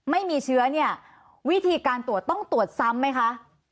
ไม่มีเชื้อเนี่ยวิธีการตรวจต้องตรวจซ้ำไหมคะ